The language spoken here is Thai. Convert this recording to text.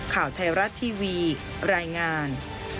ข่าวไทยรัฐทีวีรายงาน